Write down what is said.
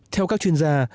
theo các chuyên gia